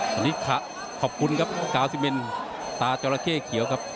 สวัสดีค่ะขอบคุณครับ๙๐บินตาจราเข้เขียวครับ